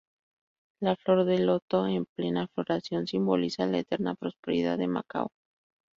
La flor del loto en plena floración simboliza la eterna prosperidad de Macao.